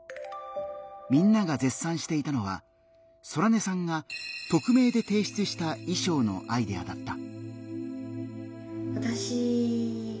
みんなが絶賛していたのはソラネさんが匿名で提出した衣装のアイデアだった。